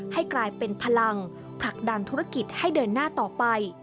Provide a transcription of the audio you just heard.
ให้กลายเป็นพลังผลักดันธุรกิจให้เดินหน้าต่อไป